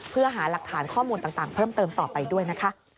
เพื่อหาหลักฐานข้อมูลต่างเพิ่มเติมต่อไปด้วยนะคะ